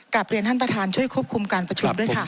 เรียนท่านประธานช่วยควบคุมการประชุมด้วยค่ะ